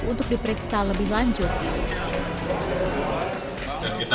untuk diperiksa lebih lanjut